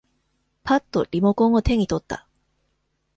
ぱっとリモコンを手に取った。